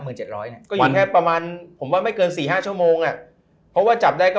หมึงเจ็ดร้อยควรมันแพบประมาณผมจะไม่เกิน๔๕ชั่วโมงเพราะบรรจับได้ก็